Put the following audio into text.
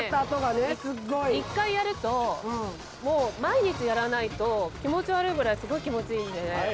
一回やると、もう毎日やらないと、気持ち悪いぐらい、すごく気持ちいいんですよね。